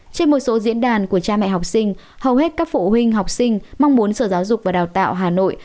trên một số diễn đàn của cha mẹ học sinh hầu hết các phụ huynh học sinh mong muốn sở giáo dục và đào tạo hà nội